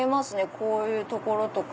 こういうところとか。